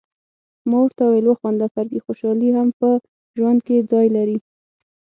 ما ورته وویل: وخانده فرګي، خوشالي هم په ژوند کي ځای لري.